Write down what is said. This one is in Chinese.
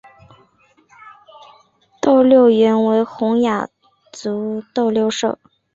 斗六原为洪雅族斗六社。